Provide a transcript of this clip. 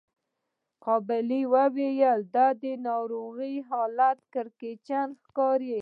قابلې وويل د دې ناروغې حالت کړکېچن ښکاري.